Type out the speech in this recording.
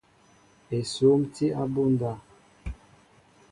Esŭm tí abunda.